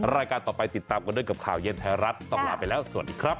รายการต่อไปติดตามกันด้วยกับข่าวเย็นไทยรัฐต้องลาไปแล้วสวัสดีครับ